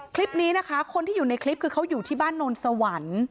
คลิปนี้นะคะคนที่อยู่ในคลิปคือเขาอยู่ที่บ้านโนนสวรรค์